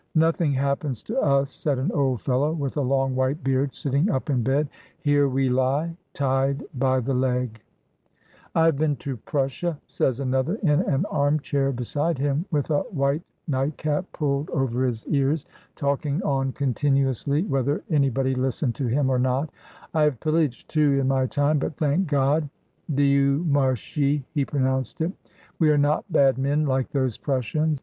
"Nothing happens to us," said an old fellow, with a long white beard, sitting up in bed; "here we lie, tied by the legl" "I have been to Prussia," says another, in an arm chair, beside him, with a white nightcap pulled ADIEU LES SONGES D'OR. 1 87 over his ears, talking on continuously whether any body listened to him or not, "I have pillaged, too, in my time, but, thank God [Di'ou marchi he pro nounced it], we are not bad men like those Prus sians.